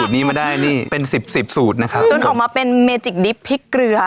สูตรนี้มาได้นี่เป็นสิบสี่สูตรนะครับจนออกมาเป็นพริกเกลือ